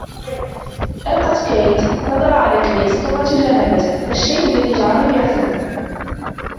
ألقت كايت نظرة على كريس ثم تجاهلته ، الشيء الذي جعله يحزن.